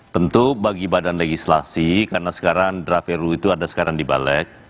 tentu bagi badan legislasi karena sekarang draft ru itu ada sekarang di balik